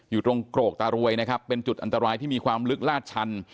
อยู่ตรงโกรกตารวยนะครับเป็นจุดอันตรายที่มีความลึกลาดชัน